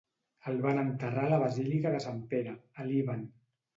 El van enterrar a la basílica de Sant Pere, a Leuven.